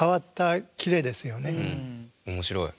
面白い。